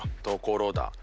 「ところだ」